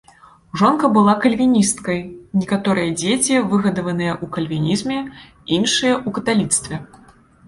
Жонка была кальвіністкай, некаторыя дзеці выгадаваныя ў кальвінізме, іншыя ў каталіцтве.